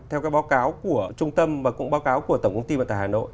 theo cái báo cáo của trung tâm và cũng báo cáo của tổng công ty bản tài hà nội